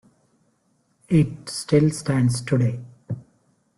It still stands today.